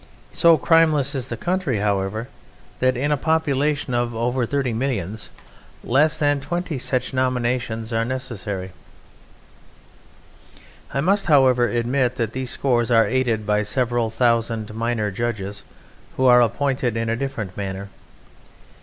So crimeless is the country, however, that in a population of over thirty millions less than twenty such nominations are necessary; I must, however, admit that these score are aided by several thousand minor judges who are appointed in a different manner.